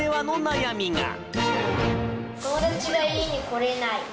友達が家に来れない。